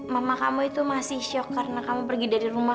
mama kamu itu masih shock karena kamu pergi dari rumah